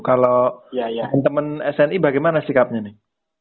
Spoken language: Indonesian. kalau ya teman sni bagaimana sikapnya nih